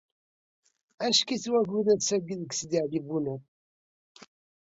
Ackkit wakud ass-agi deg Sidi Ɛli Bunab.